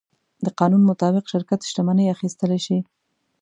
د قانون مطابق شرکت شتمنۍ اخیستلی شي.